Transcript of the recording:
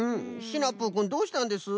シナプーくんどうしたんです？